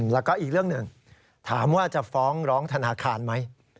แล้วก็อีกเรื่องหนึ่งถามว่าจะฟ้องร้องธนาคารไหม